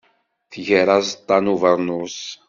Tger aẓeṭṭa n ubeṛnus.